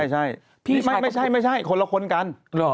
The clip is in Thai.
ใช่พี่ไม่ใช่คนละคนกัน